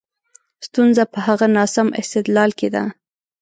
ستونزه په هغه ناسم استدلال کې ده.